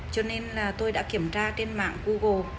cho nên là tôi đã kiểm tra trên mạng google